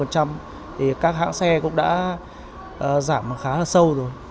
thì các hãng xe cũng đã giảm khá là sâu rồi